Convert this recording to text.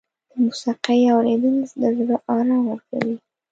د موسیقۍ اورېدل د زړه آرام ورکوي.